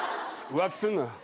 浮気すんな。